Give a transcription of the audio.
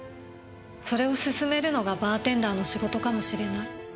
それを勧めるのがバーテンダーの仕事かもしれない。